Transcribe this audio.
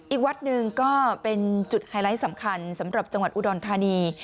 อีกวัดหนึ่งก็เป็นจุดไฮไลท์สำคัญสำหรับจังหวัดอุดรธานี